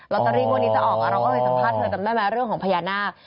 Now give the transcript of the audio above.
รอตรีมวันนี้จะออกเราก็เลยสัมภาษณ์เธอท่านแม่เรื่องของพญานาค